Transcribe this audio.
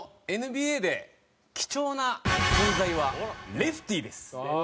ＮＢＡで貴重な存在はレフティーです。